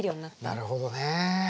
なるほどね。